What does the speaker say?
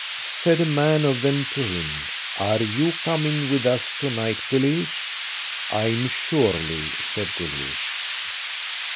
Said a man of them to him: "Are you coming with us to night, Guleesh?" "I am surely," said Guleesh.